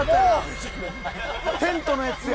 テントのやつや！